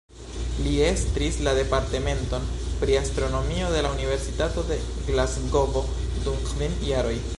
Li estris la Departementon pri astronomio de la Universitato de Glasgovo dum kvin jaroj.